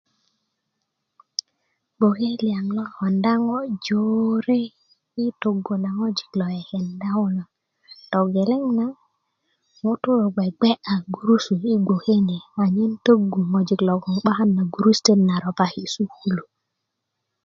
bgoke liyaŋ lo konda ŋo jore i togu na ŋojik lo kekenda kulo togeleŋ na ŋutu bgebgeya gurusu i bgoke ni anyen togu ŋojik loŋ 'bakana gurusutöt na ropaki i sukulu